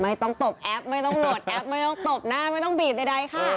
ตบแอปไม่ต้องโหลดแอปไม่ต้องตบหน้าไม่ต้องบีบใดค่ะ